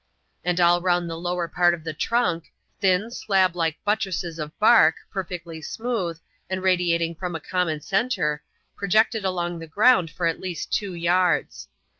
And all round the lower part of the trunk, thin, slab like butti*esses of bark, perfectly smooth, and radiating from a common centre, projected along the ground for at least two yards.